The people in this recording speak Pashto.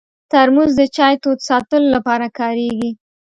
ترموز د چای تود ساتلو لپاره کارېږي.